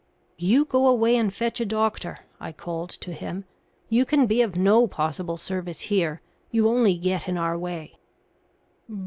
"You go away and fetch a doctor," I called to him; "you can be of no possible service here you only get in our way."